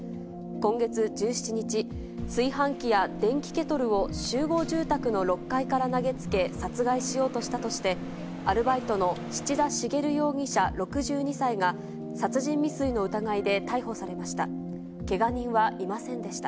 今月１７日、炊飯器や電気ケトルを集合住宅の６階から投げつけ、殺害しようとしたとして、アルバイトの七田茂容疑者６２歳が、殺人未遂の疑いで逮捕されました。